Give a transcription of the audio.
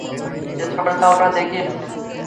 স্পর্ধা ওরা দেখিয়েছে।